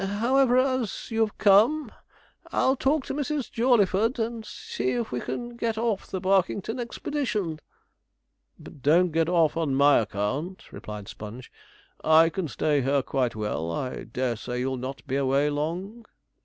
However, as you've come, I'll talk to Mrs. Jawleyford, and see if we can get off the Barkington expedition.' 'But don't get off on my account,' replied Sponge. 'I can stay here quite well. I dare say you'll not be away long.'